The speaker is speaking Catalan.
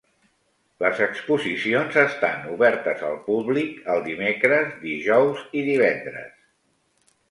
Les exposicions estan obertes al públic el dimecres, dijous i divendres.